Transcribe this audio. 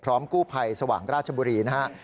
พร้อมกู้ไพรสว่างราชบุรีนะครับ